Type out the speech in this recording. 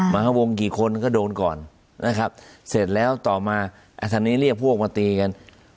มหาวงกี่คนก็โดนก่อนนะครับเสร็จแล้วต่อมาทางนี้เรียกพวกมาตีกัน